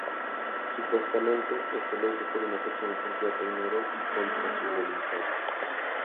Supuestamente, esto lo hizo por una pequeña cantidad de dinero y contra su voluntad.